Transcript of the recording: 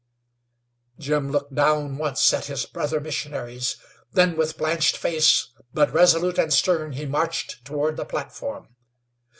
Jim looked down once at his brother missionaries; then with blanched face, but resolute and stern, he marched toward the platform.